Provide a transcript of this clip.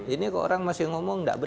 ini kok orang masih ngomong tidak benar